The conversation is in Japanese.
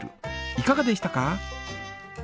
いかがでしたか？